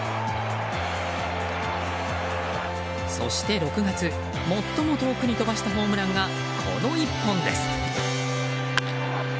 そして６月最も遠くに飛ばしたホームランがこの１本です。